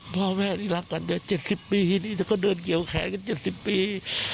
พ่อแม่รักกันเจ็ด๗๐ปีแล้วก็เดินเกี่ยวแขกัน๗๐ปี